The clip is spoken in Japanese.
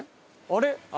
あれ？